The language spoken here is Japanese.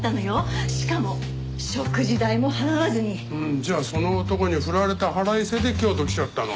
じゃあその男に振られた腹いせで京都に来ちゃったの？